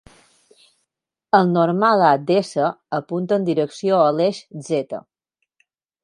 El normal a d"S" apunta en direcció a l'eix "z".